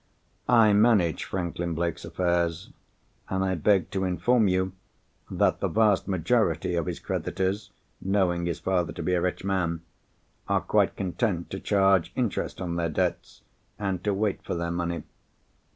I manage Franklin Blake's affairs, and I beg to inform you that the vast majority of his creditors (knowing his father to be a rich man) are quite content to charge interest on their debts, and to wait for their money.